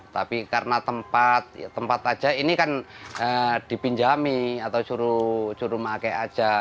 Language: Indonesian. tapi karena tempat tempat aja ini kan dipinjami atau suruh pakai aja